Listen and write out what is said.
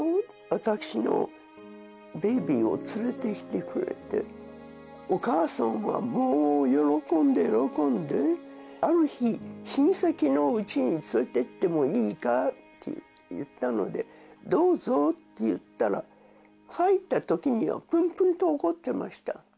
私のベイビーを連れてきてくれてお義母さんはもう喜んで喜んである日親戚の家に連れていってもいいかって言ったのでどうぞって言ったら帰った時にはプンプンと怒ってました